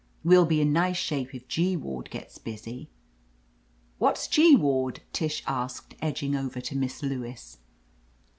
We'll be in nice shape if G ward gets busy." * What's G ward ?" Tish asked, edging over to Miss Lewis.